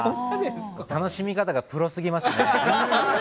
楽しみ方がプロすぎますね。